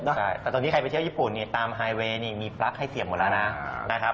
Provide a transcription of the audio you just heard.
แต่ตอนนี้ใครไปเที่ยวญี่ปุ่นตามไฮเวย์มีปลั๊กให้เสี่ยงหมดแล้วนะ